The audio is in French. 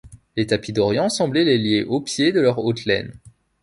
Les tapis d’Orient semblaient les lier aux pieds de leur haute laine.